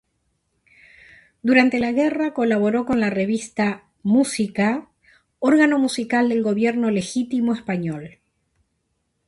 Durante la Guerra colaboró con la revista ¨Música¨, órgano musical del gobierno legítimo español.